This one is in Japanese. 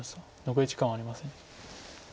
残り時間はありません。